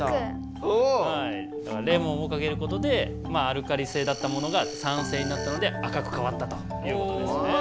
レモンをかけることでアルカリ性だったものが酸性になったので赤くかわったということですね。